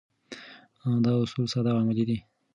دا اصول ساده او عملي دي.